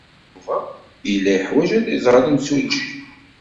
Yuba yella yeḥwaj ad iẓer imsujji.